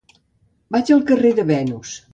Vaig al carrer de Venus.